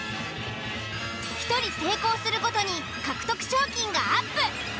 １人成功するごとに獲得賞金がアップ。